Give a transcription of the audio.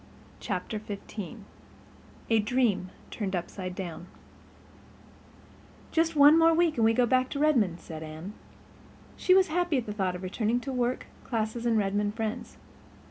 Chapter XV A Dream Turned Upside Down "Just one more week and we go back to Redmond," said Anne. She was happy at the thought of returning to work, classes and Redmond friends.